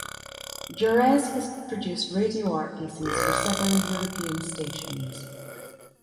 Jerez has produced radio art pieces for several European stations.